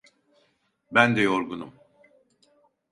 Ben de yorgunum.